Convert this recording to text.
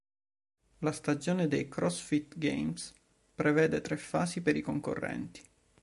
La stagione dei CrossFit Games prevede tre fasi per i concorrenti.